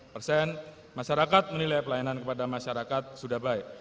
delapan puluh tiga delapan persen masyarakat menilai pelayanan kepada masyarakat sudah baik